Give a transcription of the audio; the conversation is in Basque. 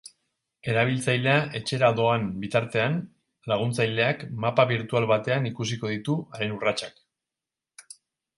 Erabiltzailea etxera doan bitartean, laguntzaileak mapa birtual batean ikusiko ditu haren urratsak.